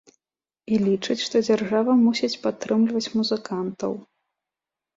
І лічыць, што дзяржава мусіць падтрымліваць музыкантаў.